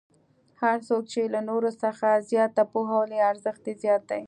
هر څوک چې له نورو څخه زیاته پوهه ولري ارزښت یې زیات دی.